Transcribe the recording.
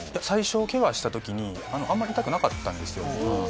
最初ケガした時にあんまり痛くなかったんですよ。